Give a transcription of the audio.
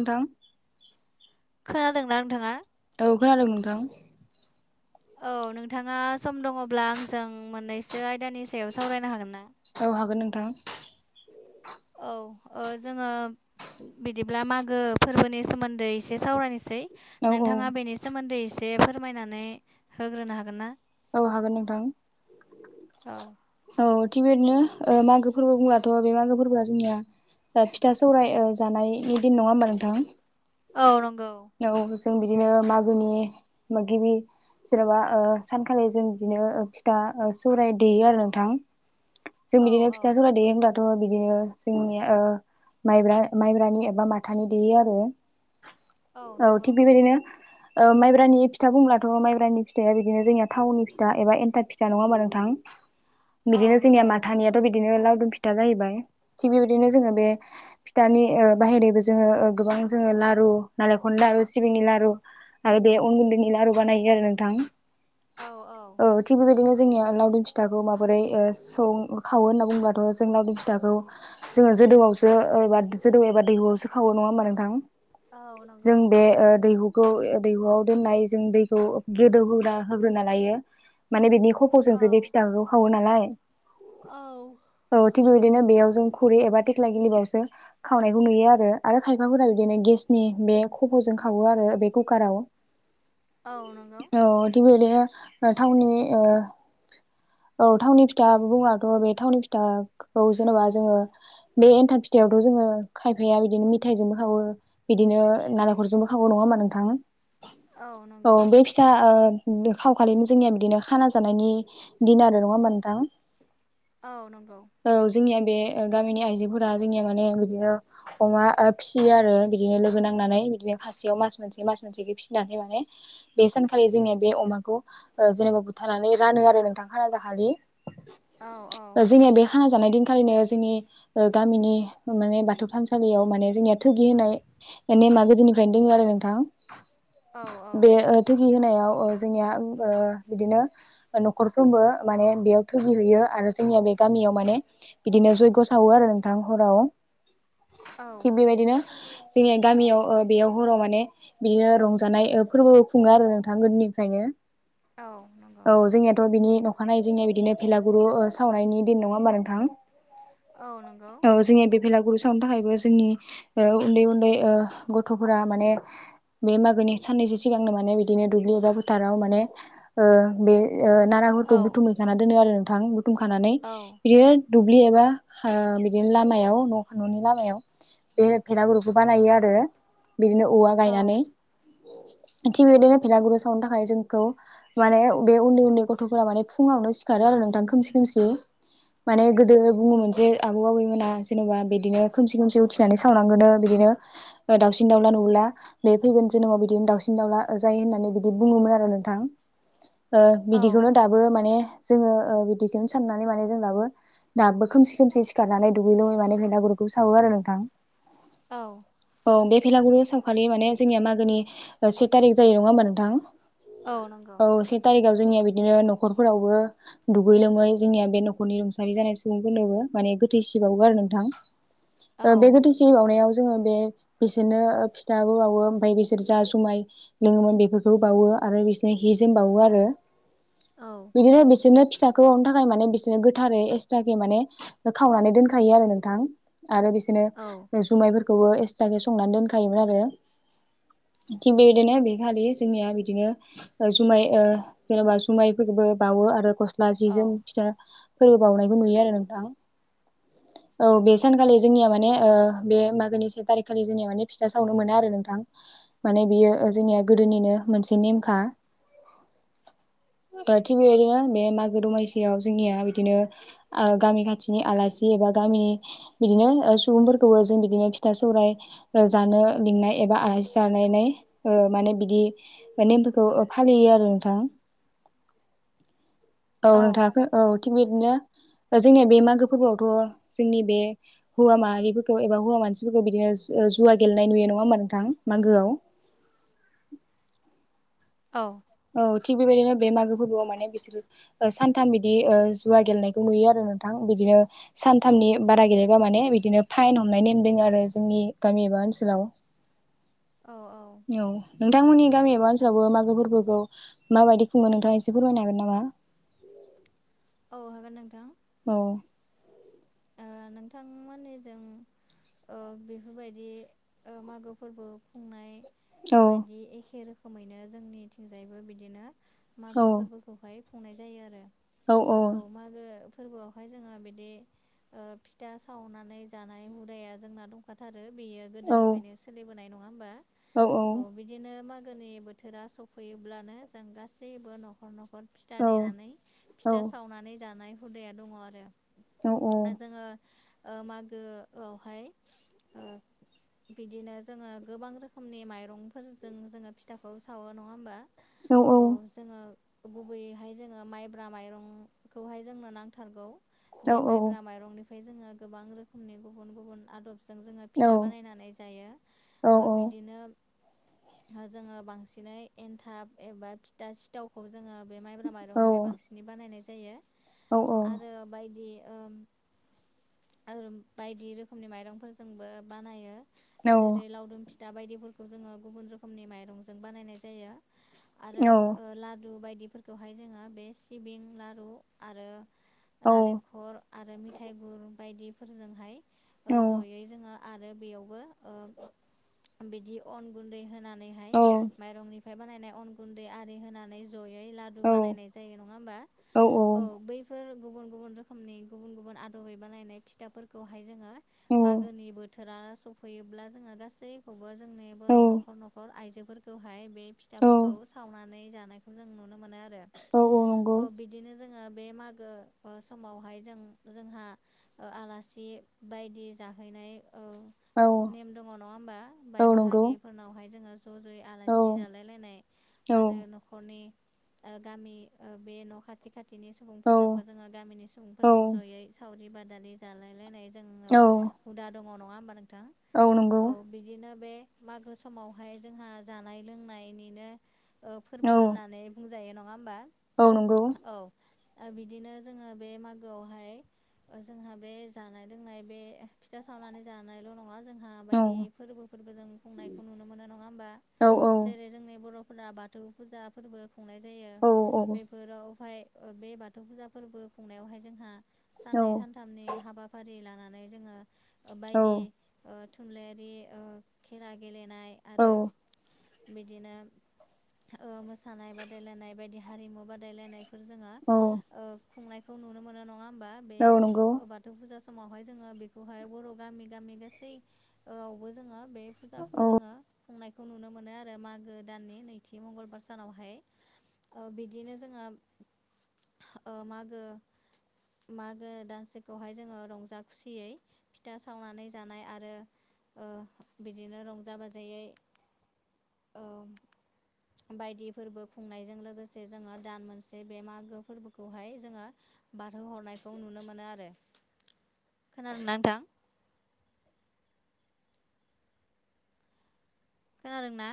नोंथां खोनादोंना नोंथाङा औ खोनादों नोंथां औ नोंथाङा सम दङ'ब्ला आंजों मोननैसो आयदानि सायाव सावरायनो हागोन ना औ हागोन नोंथां औ ओ जोङो बिदिब्ला मागो फोरबोनि सोमोन्दै एसे सावरायनोस सै औ औ नोंथाङा बेनि सोमोन्दै एसे फोरमायनानै होग्रोनो हागोन ना? औ हागोन नोंथां औ औ थिग बेबायदिनो ओ मागो फोरबो बुंब्लाथ' बे मागो फोरबोआ जोंनिया ओ फिथा सौराय ओ जानायनि दिन नङा होमबा नोंथां औ नंगौ औ जों बिदिनो मागोनि गिबि जेन'बा ओ सानखालि जों बिदिनो ओ फिथा ओ सौराय देयो आरो नोंथां जों औ बिदिनो औ फिथा सौराय देयो होनब्लाथ' बिदिनो जोंनिया ओ माइब्रा-माइब्रानि एबा माथानि देयो आरो औ थिग बे बायदिनो ओ माइब्रानि फिथा बुंब्लाथ' माइब्रानि फिथाइआ बि बिदिनो जोंनिया थावननि फिथा एबा एनथाब फिथा नङा होमबा नोंथां औ बिदिनो जोंनिया नंगौ माथानिया बिदिनो लावदुम फिथा जाहैबाय थिग बे बायदिनो जोङो बे फिथानि ओ बाहहेरैबो जोङो ओ गोबां जोङो लारु नारेंखननि लारु सिबिंनि लारु आरो बे उन गुन्दैनि‌ लारु बानायो आरो नोंथां औ औ थिग बे बायदिनो जोंनिया लावदिुम फिथाखौ माबोरै ओ सौ खावो होनना बुंङोबाथ' जों लावदुम फिथाखौ जोङो जोदौआवसो ओ एबा जोदौ एबा दैहुआवसो खावो नङा होमबा नोंथां औ जों नंगौ बे ओ दैहुखौ दैहुआव दोननाय जों दैखौ गोदौ होगा होग्रोना लायो माने बिनि औ खफ'जोंसो बे फिथाखौ खावो नालाय औ औ थिग बे बायदिनो बेयाव जों खुरै एबा थेख्ला गिलिबावसो खावनायखौ नुयो आरो आरो खायफाफोरा बिदिनो गेसनि बे खब'जों खावो आरो बे कुकाराव औ नंगौ औ थिग बे बायदिनो टाउननि ओ औ थावनि फिथा बुङाथ' बे थावनि फिथाखौ जेनेबा जोङो बे एन्थाब फिथायाइयावथ' जोङो खायफाया बिदिनो मिथाइजोंबो खावो बिदिनो नालेंखरजोंबो खावो नङा होमा नोंथां औ बे फिथा खाव खालिनो जोंनिया बिदिनो खाना जानायनि दिन आरो नङा मोनथां औ नंगौ औ जोंनिया बे गामिनि आइजोफोरा जोंनिया माने बिदिनो अमा ओ फिसियो आरो बिदिनो लोगो नांनानै बिदिनो खासेयाव मास मोनसे मास मोनसे फिनानै माने बे सानखालि जोंनिया बे अमाखौ जेनेबा बुथारनानै रानो आरो नोंथां खाना जाखलि औ औ जोंनिया बे खाना जानाय दिनखालिनो जोंनि ओ गामिनि माने बाथौ थानसालियाव माने जोंनिया थगि होननाय नेमा गोदोनिफ्रायनो दोङ आरो नोंथां औ बे थुगि होनायाव ओ जोंनिया ओ बिदिनो न'खरफ्रोमबो माने बेयाव थुगि हैैयो आरो जोंनिया बे गामियाव माने बिदिनो जयग्य सावो आरो नोंथां हराव औ थिग बे बायदिनो जोंनिया गामियाव ओ बेयाव हराव माने बियो रंजानाय ओ फोरबो खुङो आरो नोंथां गोदनि फ्रायनो औ नंगौ औ जोंनियाथ' बिनि‌ अखानायै जोंनिया बिदिनो भेलागुरु सावनायनि दिन नङा होमबा नोंथां औ नंगौ औ जोंनि बेलागुरू‌ सावनो थाखायबो जोंनि उन्दै उन्दै गथ'फोरा माने बे मागोनि साननैसो सिगांनो माने बिदिनो दुब्लियावबा थाराव मानेओ बे ओ नाराफोरखौ औ बुथुम हैखाना दोनो आरो नोंथां खानानै औ बिदिनो दुब्लि एबा ओ बिदिनो लामायाव न' न'नि लामायाव बे भेलागुरुखौ बानायो आरो बिदिनो औवा गायनानै औ थिग बे बायदिनो फिलागुरु सावनो थाखाय जोंखौ माने बे उन्दै उन्दै गथ'फोरा माने फुङावनो सिखारो आरो नोंथां खोमसि खोमसि माने गोदो बुङोमोन जे आबौ आबैमोना जेन'बा बिदिनो खोमसि खोमसि उथिनानै सावनांगोनो बिदिनो दाउसिन दाउला नुला बे फैगोन जोनोमाव बिदिनो दाउसिन दाउला जायो होननानै बि बिदि बुङोमोन आरो नोंथां ओ औ बिदिखौनो दाबो माने जोङो बिदिखौनो साननानै माने जों दाबो दाबो खोमसि खोमसि सिखारनानै दुगै लोबै माने बेलागुरखौ सावो आरो नोंथां औ औ बे भेलागुरखौ सावखालि माने जोंनिया मागोनि से थारिख जायो नङा ओमबा नोंथां? औ से थारिखाव जोंनिया बिदिनो न'खरफोरावबो दुगै लोमै जोंनिया बे न'खरनि रुंसारि जानाय सुबुंफोरनोबो माने गोथैसि बाउवो आरो नोंथां औ ओ बे गोथैसि बाउनायाव जोङो बे बिसोरनो फिथाबो बाउवो ओमफ्राय बिसोर जा जुमाइ लोङोमोन बेफोरखौ बाउवो आरो बिसोरनो हि जोम बाउवो आरो औ बिदिनो बिसोरनो फिथाखौ बाउनो थाखाय माने बिसोरनो गोथारै एक्सट्राके माने खावनानै दोनखायो आरो नोंथां आरो औ बिसोरनो जुमाइफोरखौबो एक्सट्रासे संनानै दोनखायोमोन आरो थिग बेबायदिनो बे खालि जोंनिया बिदिनो जुमाइ ओ जेनेबा जुमाइफोरबो बाउवो आरो खस सि्ला औ जि जोम फिथा फोरबो बाउनायखौ नुयो आरो नोंथां। [inaudible] औ बे सानखालि जोंनिया माने ओ बे मागोनि से थारिख खालि जोंनिया माने फिथा सावनो मोना आरो नोंथां। माने बियो जोंनिया गोदोनिनो मोनसे नेमखा। [inaudible] थिग बेबायदिनो बे मागो दमासियाव जोंनिया बिदिनो गामि खाथिनि आलासि एबा गामिनि बिदिनो सुबुंफोरखौबो जों बिदिनो फिथा सौराइ जानो लिंनाय एबा आलासि जालायनाय माने बिदि। नेमफोरखौ फालियो आरो नोंथां औ नोंथाङा औ थिग बिदिनो जोंनिया बे मागो फोरबोआवथ' जोंनि बे हौवा माहारिफोरखौ एबा हौवा मानसिफोरखौ बिदिनो जुवा गेलेनाय नुयो नङा होमा नोंथां मागोआव औ औ थिग बेबायदिनो बे मागो फोरबोआव माने बिसोरो सानथाम बिदि जुवा गेलेनायखौ नुयो आरो नोंथां बिदिनो सानथामनि बारा गेलेबा माने बिदिनो फाइन हमनाय नेम दं आरो जोंनि गामि एबा ओनसोलाव औ औ औ नोंथांमोननि गामि एबा ओनसोलावबो मागो फोरबोखौ माबायदि खुङो नोंथाङा एसे फोरमायनो हागोन नामा? औ हागोन नोंथां औ ओ नोंथांमोननिजों ओ बेफोरबायदि मागो फोरबो खुंनाय औ बायदि एखे रोखोमैनो जोंनिथिंजायबो बिदिनो औ मागो फोरबो। खौहाय खुंनाय जायो आरो औ मागो फोरबोआवहाय जोङो बिदि फिथा सावनानै जानाय हुदाया जोंना दं। खाथारो बियो गोदोनिफ्रायनो सोलिबोनाय नङा होमबा? औ औ बिदिनो मागोनि बोथोरा सफैयोब्लानो जों गासैबो न'खर न'खर फि था औ देनानै औ फिथा सावनानै जानाय हुदाया दङ आरो औ जोङो मागोआवहाय बिदिनो जोङो गोबां रोखोमनि माइरंफोरजों जोङो फिथाखौ सावो नङा होमबा? औ जोङो गुबैयैहाय जोङो माइब्रा माइरंखौहाय जोंनो नांथारगौ। औ बे माइब्रा माइरंनिफ्राय जोङो गोबां रोखोमनि गुबुन गुबुन आदब जों जोङो फिथा बानायनानै जायो बिदिनो जोङो बांसिनै एन्थाब एबा फिथा सि सिथावखौ जोङो बे माइब्रा माइरंनिफ्राय बांसिनै बानायनाय जायो औ औ आरो बायदि। ओम ओरोम बायदि रोखोमनि माइरंफोरजोंबो बानायो। जेरै लावदुम फिथा बायदिफोरखौ जोङो गुबुन रोखोमनि माइरंजों बानायनाय जायो। आरो ओ लादु बायदिफोरखौहाय जोङो बे सिबिं लारु आरो। नालेंखल आरो मिथाइ गुर बायदिफोरजोंहाय ओ जयै जोङो आरो बियावबो ओम बिदि अनगुनदै होननानै। सावनानैहाय माइरंनिफ्राय बानायनाय अन गुन्दै आरि होनानै जयै ला बानायनाय जायो नङा हबा औ बैफोर गुबुन गुबुन रोखोम। समनि गुबुन गुबुन आदबै बानायनाय फिथाफोरखौहाय जोङो मागोनि बोथोर। रा सफैयोब्ला जोङो गासैखौबो जोंनि बर' न'खर न'खर आइजोफोरखौहाय बे फिथाफोरखौ सावनानै जानायखौ जों नुनो मोनो आरो। औ औ अ बिदिनो जोङो बे मागो ओ समावहाय जों जोंहा ओ आलासि बायदि जाहैनाय ओ नेम दङ नङा होमबा बाय बाहागिफोरनावहाय जोङो ज' ज'यै आलासि जालाय लायनाय आरो न- खरनि ओ गामि ओ बे न' खाथि खाथिनि सुबुंफोरजोंबो जोङो गामिनि सुबुंफोरजों जयै सावरि बादारि जालायलायनाय जोंनाव हुदा दङ नङा होमबा नोंथां। औ बिदिनो बे मागो समावहाय जोंहा जानाय लोंनायनिनो। ओ फोरबो होननानै बुंजायो नङा होमबा। ओ नंगौ। औ आ बिदिनो जोङो बे मागोआवहाय ओ जोंहा बे जानाय लोंनाय बे फिथा सावनानै जानायल' नङा जोंहा बायदि फोरबोफोरबो जों खुंनायखौ नुनो मोनो नङा होमबा। जेरै-जोंनि बर'फोरा बाथौ। बाथौ फुजा फोरबो खुंनाय जायो बेफोरावहाय ओ बे बाथौ फुजा फोरबो खुंनायावहाय जोंहा साननै सानथामनि हाबाफारि लानानै जोङो ओ बायदि ओ थुनलाइयारि ओ खेला गेलेनाय आरो बिदिनो ओ मोसानाय बादायलायनाय बायदि हारिमु बादायलायनाय फोर जोङो ओ खुंनायखौ नुनो मोनो नङा होनबा बे बाथौ फुजा समावहाय जोङो बेखौहाय बर' गामि गामि गासैआवबो जोङो बे। फुजाखौ औ जोङो खुंनायखौ नुनो मोनो आरो मागो दाननि नैथि मंगलबार सानावहाय ओ बिदिनो जोङो ओ मागो मागो दानसखौहाय जोङो रंजा खुसियै फिथा सावनानै जानाय आरो ओ बिदिनो रंजा बाजायै ओम बायदि फोरबो खुंनायजों लोगोसे जोङो दान मोनसे बे मागो फोरबो खौहाय जोङो बारहोहरनायखौ नुनो मोनो आरो। खोनादोंना नोंथां? खोनादों ना?